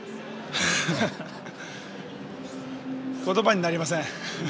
言葉になりません。